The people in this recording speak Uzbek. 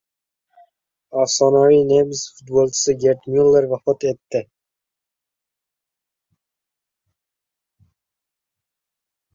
Afsonaviy nemis futbolchisi Gerd Myuller vafot etdi